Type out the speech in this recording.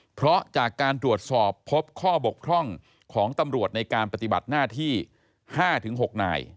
เพราะจากการตรวจสอบพบข้อบกพร่องของตำรวจในการปฏิบัติหน้าที่๕๖นาย